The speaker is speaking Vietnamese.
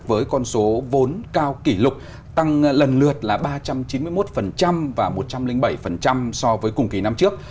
với con số vốn cao kỷ lục tăng lần lượt là ba trăm chín mươi một và một trăm linh bảy so với cùng kỳ năm trước